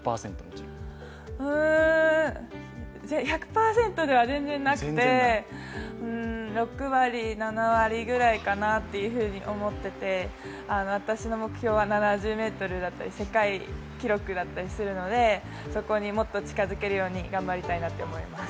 うーん１００％では全然なくて、６割、７割ぐらいかなって思っていて、私の目標は７０ｍだったり、世界記録だったりするのでそこにもっと近づけるように頑張りたいなと思います。